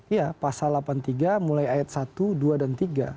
iya pasal delapan puluh tiga mulai ayat satu dua dan tiga